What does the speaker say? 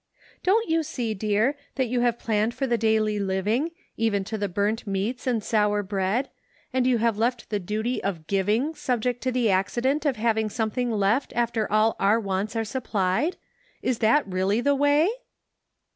" Don't you see, dear, that you have planned for the daily living, even to the burnt meats and sour bread, and you have left the duty of giving subject to the accident of having something left after all our wants are supplied. Is that really the way